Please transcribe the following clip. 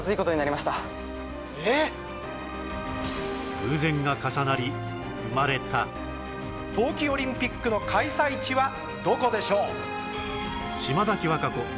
偶然が重なり生まれた冬季オリンピックの開催地はどこでしょう？